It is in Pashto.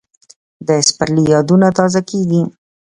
د سپرلي یادونه تازه کېږي